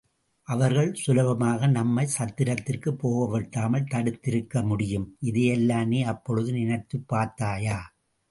அவர்கள் சுலபமாக நம்மைச் சத்திரத்திற்குப் போகவொட்டாமல் தடுத்திருக்க முடியும். இதையெல்லாம் நீ அப்பொழுதே நினைத்துப் பார்த்தாயா?